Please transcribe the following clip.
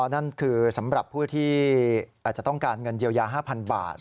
นั่นคือสำหรับผู้ที่อาจจะต้องการเงินเยียวยา๕๐๐บาท